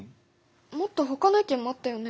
もっとほかの意見もあったよね？